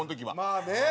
まあね。